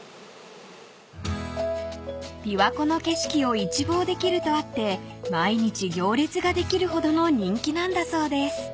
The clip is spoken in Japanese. ［琵琶湖の景色を一望できるとあって毎日行列ができるほどの人気なんだそうです］